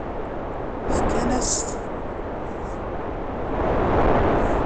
Fkan-as-t.